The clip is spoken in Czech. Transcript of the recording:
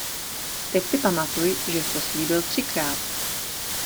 Teď si pamatuj, žes to slíbil třikrát.